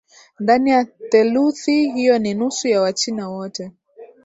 Ndani ya therluthi hiyo ni nusu ya Wachina wote